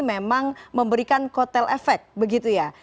memang memberikan kotel efek begitu ya